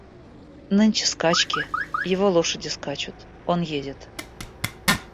Нынче скачки, его лошади скачут, он едет.